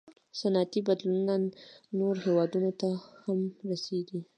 • صنعتي بدلونونه نورو هېوادونو ته هم ورسېدل.